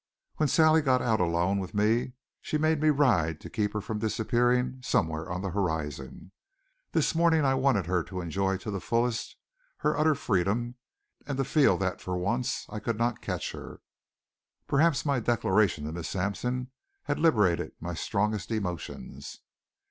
When Sally got out alone with me she made me ride to keep her from disappearing somewhere on the horizon. This morning I wanted her to enjoy to the fullest her utter freedom and to feel that for once I could not catch her. Perhaps my declaration to Miss Sampson had liberated my strongest emotions.